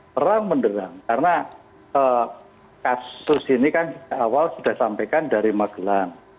terang menderang karena kasus ini kan awal sudah sampaikan dari magelang